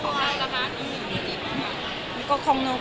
ของแม่ก็มีของจิกหรือ